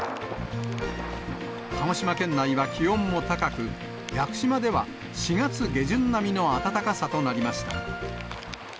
鹿児島県内は気温も高く、屋久島では４月下旬並みの暖かさとなりました。